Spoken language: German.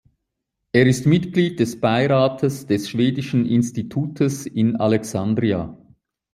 Er ist Mitglied des Beirates des Schwedischen Institutes in Alexandria.